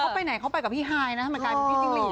มันก็ไปกับพี่ไฮนะมันกลายเป็นพี่จิ้งหลีด